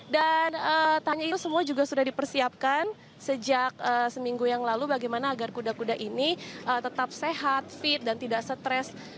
dan tanya itu semua juga sudah dipersiapkan sejak seminggu yang lalu bagaimana agar kuda kuda ini tetap sehat fit dan tidak stres